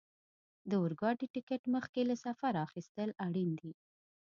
د اورګاډي ټکټ مخکې له سفره اخیستل اړین دي.